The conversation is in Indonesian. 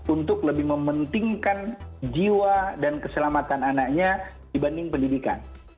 untuk lebih mementingkan jiwa dan keselamatan anaknya dibanding pendidikan